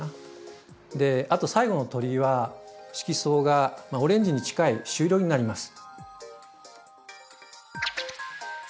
であと最後の鳥居は色相がオレンジに近い朱色になります。